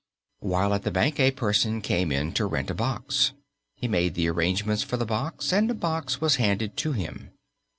While at the bank a person came in to rent a box. He made the arrangements for the box, and a box was handed to him.